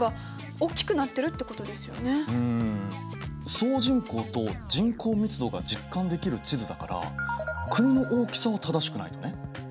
総人口と人口密度が実感できる地図だから国の大きさは正しくないとね。